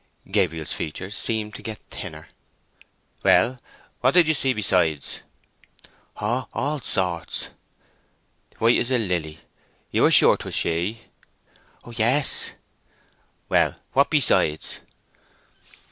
Gabriel's features seemed to get thinner. "Well, what did you see besides?" "Oh, all sorts." "White as a lily? You are sure 'twas she?" "Yes." "Well, what besides?"